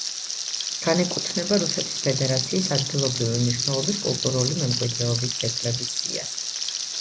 განეკუთვნება რუსეთის ფედერაციის ადგილობრივი მნიშვნელობის კულტურული მემკვიდრეობის ძეგლების სიას.